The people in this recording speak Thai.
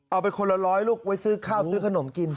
เอาไปคนละร้อยลูกไว้ซื้อข้าวซื้อขนมกิน